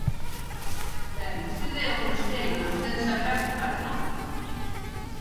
Ben, vostede é o conselleiro e vostede saberá o que fai, ¿non?